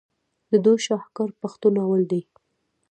د دوي شاهکار پښتو ناول دے